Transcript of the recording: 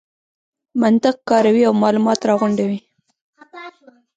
منطق کاروي او مالومات راغونډوي.